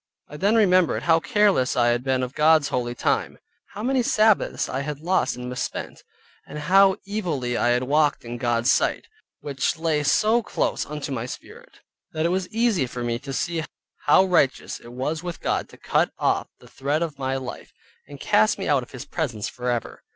I then remembered how careless I had been of God's holy time; how many Sabbaths I had lost and misspent, and how evilly I had walked in God's sight; which lay so close unto my spirit, that it was easy for me to see how righteous it was with God to cut off the thread of my life and cast me out of His presence forever.